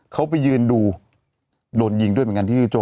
เขาไปยืนดูโดนยิงด้วยเหมือนกันที่จู